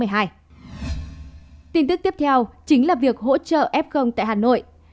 tin tức tiếp theo chính là việc hỗ trợ ép không tại hà nội